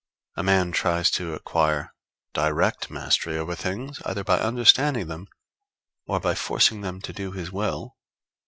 A man tries to acquire direct mastery over things, either by understanding them, or by forcing them to do his will.